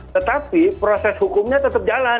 tetapi proses hukumnya tetap jalan